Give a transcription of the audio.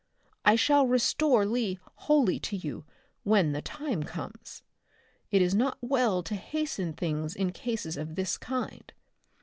I shall restore Lee wholly to you when the time comes. It is not well to hasten things in cases of this kind.